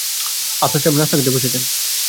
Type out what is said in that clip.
আফসার সাহেব নাশতা খেতে বসেছেন।